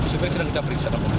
sopir sudah kita periksa